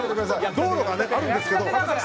道路があるんですけど。